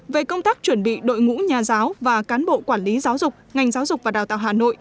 về công tác chuẩn bị đội ngũ nhà giáo và cán bộ quản lý giáo dục ngành giáo dục và đào tạo hà nội